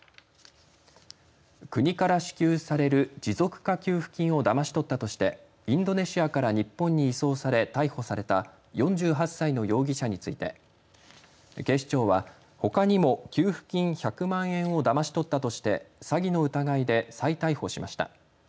国から支給される持続化給付金をだまし取ったとしてインドネシアから日本に移送され逮捕された４８歳の容疑者について警視庁はほかにも給付金１００万円をだまし取ったとして詐欺の疑いで再逮捕しました。